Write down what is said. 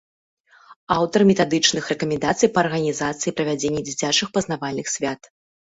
Аўтар метадычных рэкамендацый па арганізацыі і правядзенні дзіцячых пазнавальных свят.